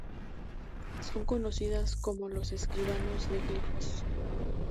Son conocidos como los Escribanos de Glifos.